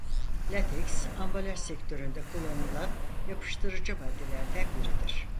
Lateks ambalaj sektöründe kullanılan yapıştırıcı maddelerden biridir.